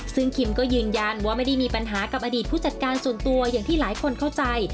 ซึ่งคิมก็ยืนยันว่าไม่ได้มีปัญหากับอดีตผู้จัดการส่วนตัวอย่างที่หลายคนเข้าใจ